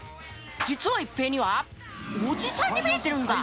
実は一平にはおじさんに見えてるんだ。